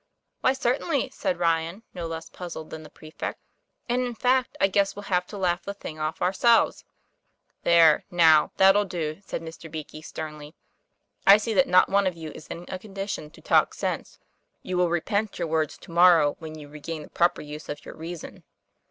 'Why, certainly," said Ryan, no less puzzled than the prefect. ;' And, in fact, I guess we'll have to laugh the thing off ourselves." "There, now, that'll do," said Mr. Beakey sternly. ' I see that not one of you is in a condi tion to talk sense. You will repent your words to morrow, when you regain the proper use of your reason.'